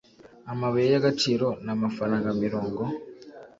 amabuye y agaciro n amafaranga mirongo